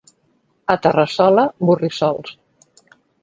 A Terrassola, borrissols.